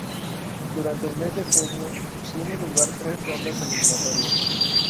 Durante el mes de junio tienen lugar tres rondas eliminatorias.